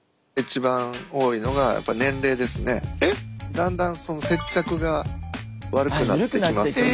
だんだんその接着が悪くなってきますので。